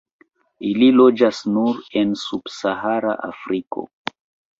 Ili loĝas nur en subsahara Afriko.